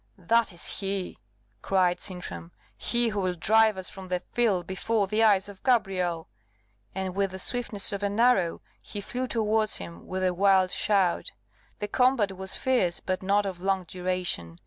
"That is he," cried Sintram; "he who will drive us from the field before the eyes of Gabrielle!" And with the swiftness of an arrow he flew towards him with a wild shout. The combat was fierce, but not of long duration.